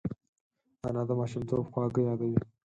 انا د ماشومتوب خواږه یادوي